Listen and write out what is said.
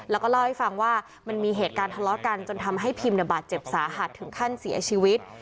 แล้วก็เล่าให้ฟังว่ามันมีเหตุการณ์ทะเลาะกันจนทำให้พิมบาดเจ็บสาหัสถึงขั้นเสียชีวิต